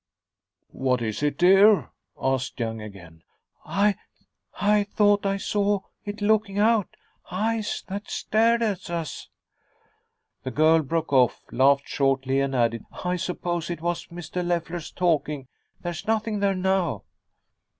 "What is it, dear?" asked Young again. "I I thought I saw it looking out, eyes that stared at us " The girl broke off, laughed shortly, and added, "I suppose it was Mr. Leffler's talking. There's nothing there now."